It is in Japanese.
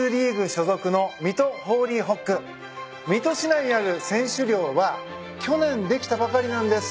水戸市内にある選手寮は去年できたばかりなんです。